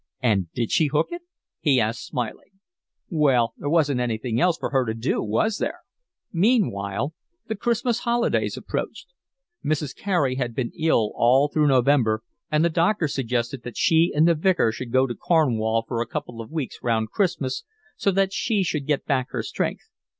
"And did she hook it?" he asked smiling. "Well, there wasn't anything else for her to do, was there?" Meanwhile the Christmas holidays approached. Mrs. Carey had been ill all through November, and the doctor suggested that she and the Vicar should go to Cornwall for a couple of weeks round Christmas so that she should get back her strength.